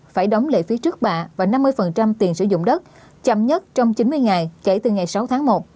phải đóng lệ phí trước bạ và năm mươi tiền sử dụng đất chậm nhất trong chín mươi ngày kể từ ngày sáu tháng một